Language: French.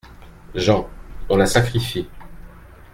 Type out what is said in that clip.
JEAN : On la sacrifie.